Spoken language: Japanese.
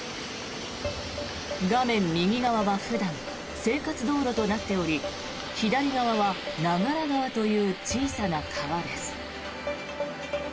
画面右側は普段、生活道路となっており左側は名柄川という小さな川です。